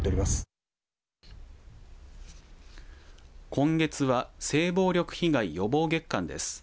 今月は性暴力被害予防月間です。